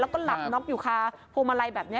แล้วก็หลับน็อคอยู่ค้าโพมะไรแบบเนี้ย